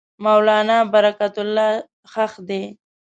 مولنا برکت الله ښخ دی.